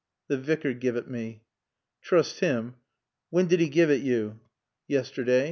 "T' Vicar give it mae." "Troost'im! Whan did 'e gie it yo?" "Yasterda'."